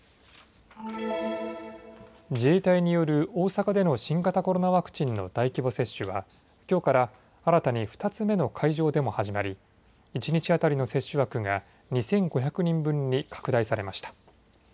自衛隊による大阪での新型コロナワクチンの大規模接種はきょうから新たに２つ目の会場でも始まり一日当たりの接種枠が２５００人分に拡大されました。